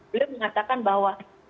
beliau mengatakan bahwa